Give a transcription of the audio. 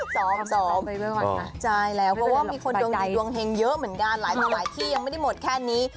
ใช่แล้วเพราะว่ามีคนดวงดีดวงเฮงเยอะเหมือนกันหลายสมัยที่ยังไม่ได้หมดแค่นี้